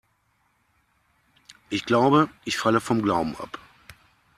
Ich glaube, ich falle vom Glauben ab.